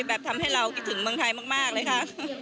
แบบทำให้เราคิดถึงเมืองไทยมากเลยค่ะ